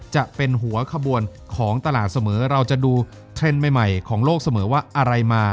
จะเป็นหัวขบวนของตลาดเสมอเราจะดูเทรนด์ใหม่ของโลกเสมอว่าอะไรมา